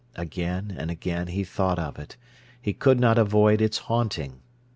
Again and again he thought of it; he could not avoid its haunting.